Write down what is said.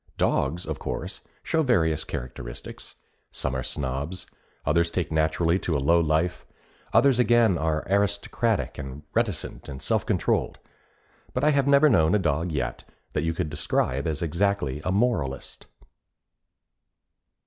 Dogs, of course, show various characteristics some are snobs, others take naturally to a low life, others again are aristocratic and reticent and self controlled; but I have never known a dog yet that you could describe as exactly a moralist.